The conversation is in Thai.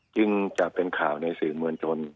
จึงจะเป็นข่าวในสื่อมวลชน